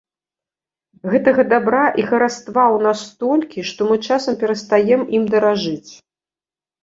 Гэтага дабра і хараства ў нас столькі, што мы часам перастаем ім даражыць.